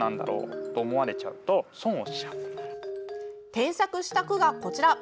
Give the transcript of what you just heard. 添削した句が、こちら。